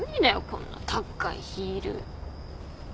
こんなたっかいヒール。